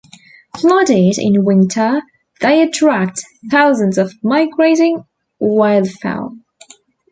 Flooded in winter, they attract thousands of migrating wildfowl.